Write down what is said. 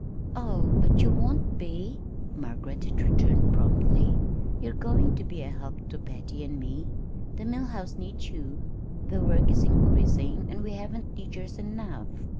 "Oh, but you won't be," Margaret had returned promptly. "You're going to be a help to Patty and me. The Mill House needs you. The work is increasing, and we haven't teachers enough."